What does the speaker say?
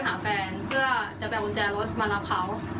ตอนแต่ขอขอรายเปล่า